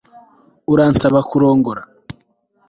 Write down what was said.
Uransaba kurongora